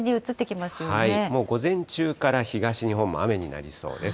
もう午前中から東日本も雨になりそうです。